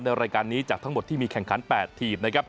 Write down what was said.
ในรายการนี้จากทั้งหมดที่มีแข่งขันแหวะทีม